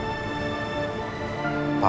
sampai jumpa lagi